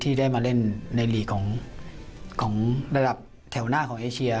ที่ได้มาเล่นในหลีกของระดับแถวหน้าของเอเชีย